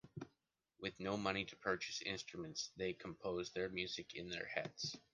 With no money to purchase instruments, they compose their music in their heads.